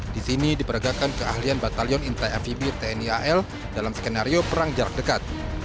di sini diperagakan keahlian batalion intai amfibi tni al dalam skenario perang jarak dekat